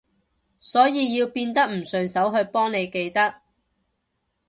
所以要變得唔順手去幫你記得